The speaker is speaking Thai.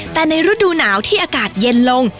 แต่ในฤดูหนาวที่อากาศเย็นลง